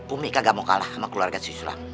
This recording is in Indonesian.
umi kagak mau kalah sama keluarga si sulam